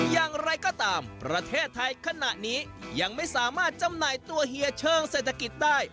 อย่างไรก็ตามประเทศไทยขณะนี้ยังไม่สามารถจำหน่ายตัวเฮียเชิงเศรษฐกิจได้